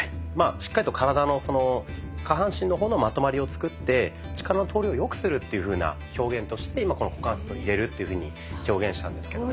しっかりと体の下半身の方のまとまりを作って力の通りを良くするというふうな表現として今この「股関節を入れる」っていうふうに表現したんですけども。